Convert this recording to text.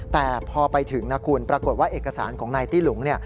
แต่พอไปถึงนะคุณปรากฏว่าเอกสารของนายตี้หลุง